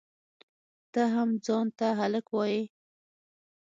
ته هم ځان ته هلک وایئ؟!